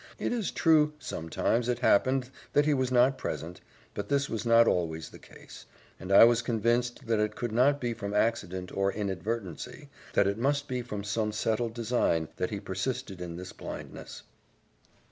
It is true, sometimes it happened that he was not present, but this was not always the case; and I was convinced that it could not be from accident or inadvertency, that it must be from settled design, that he persisted in this blindness.